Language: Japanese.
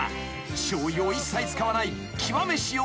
［しょうゆを一切使わない］